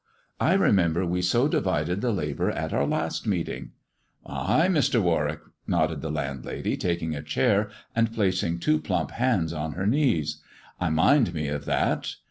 I remember we so divided the labour at our last meeting." "Ay, Mr. Warwick," nodded the landlady, taking a chair and placing two plump hands on her knees. " I mind me of that.